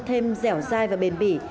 thêm dẻo dai và bền bỉ